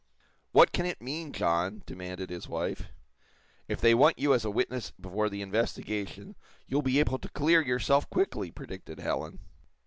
"What can it mean, John?" demanded his wife. "If they want you as a witness before the investigation, you'll be able to clear yourself quickly." predicted Helen.